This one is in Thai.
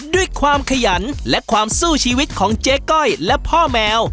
ด้วยความขยันและความสู้ชีวิตของเจ๊ก้อยและพ่อแมว